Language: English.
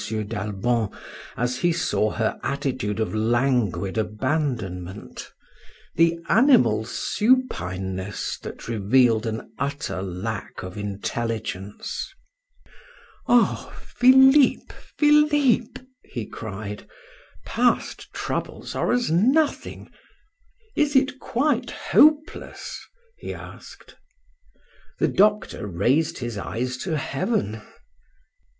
d'Albon as he saw her attitude of languid abandonment, the animal supineness that revealed an utter lack of intelligence. "Oh! Philip, Philip!" he cried, "past troubles are as nothing. Is it quite hopeless?" he asked. The doctor raised his eyes to heaven.